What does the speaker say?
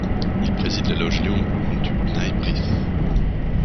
Il préside la loge Léon Blum du B'nai Brith.